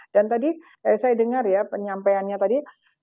dan tadi saya dengar ya penyampaiannya tadi